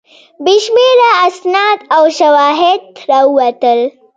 بې شمېره اسناد او شواهد راووتل.